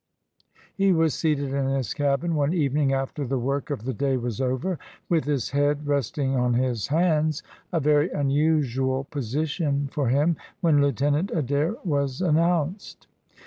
He was seated in his cabin one evening after the work of the day was over, with his head resting on his hands a very unusual position for him when Lieutenant Adair was announced.